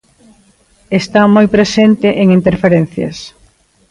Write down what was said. Está moi presente en 'Interferencias'.